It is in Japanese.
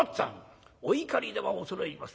お怒りでは恐れ入ります。